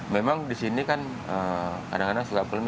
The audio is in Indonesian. memang di sini kan adang adang suka paham